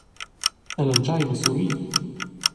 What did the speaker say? Ella entscheiva a surrir.